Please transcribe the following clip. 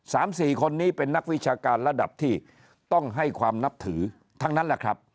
สามสี่คนนี้เป็นนักวิชาการระดับที่ต้องให้ความนับถือทั้งนั้นแหละครับ